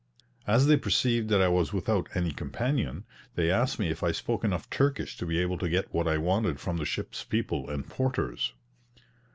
As they perceived that I was without any companion, they asked me if I spoke enough Turkish to be able to get what I wanted from the ship's people and porters.